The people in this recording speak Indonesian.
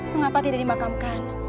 mengapa tidak dimakamkan